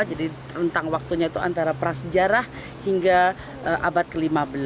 jadi rentang waktunya itu antara prasejarah hingga abad ke lima belas